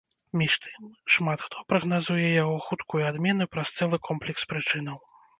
Між тым, шмат хто прагназуе яго хуткую адмену праз цэлы комплекс прычынаў.